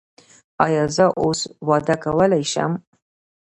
ایا زه اوس واده کولی شم؟